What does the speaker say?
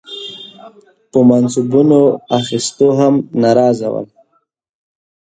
په منصبونو اخیستو هم ناراضه ول.